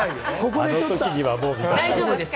大丈夫です。